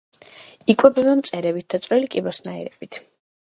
იკვებება მწერებით და წვრილი კიბოსნაირებით.